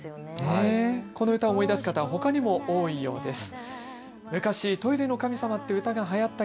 この歌を思い出す方はほかにも多いようです。